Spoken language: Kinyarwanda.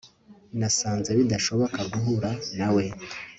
nasanze bidashoboka guhura nawe